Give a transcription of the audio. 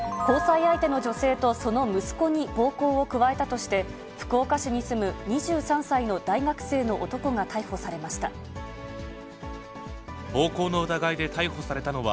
交際相手の女性とその息子に暴行を加えたとして、福岡市に住む２３歳の大学生の男が逮捕されました。